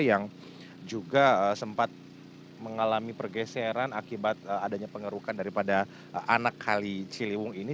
yang juga sempat mengalami pergeseran akibat adanya pengerukan daripada anak kali ciliwung ini